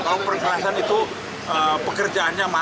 kalau perkerasan itu pekerjaannya matang